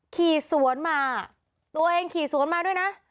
ขี่สวนมาตัวเองขี่สวนมาด้วยนะ